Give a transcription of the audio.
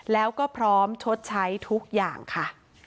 แล้วก็พร้อมชดใช้ทุกอย่างค่ะ